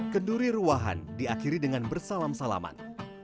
kenduri ruahan diakhiri dengan bersalam salaman